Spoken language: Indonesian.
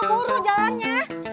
ayo buru jalannya